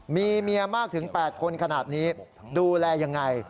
มีเมียมากถึง๘คนขนาดนี้ดูแลยังไง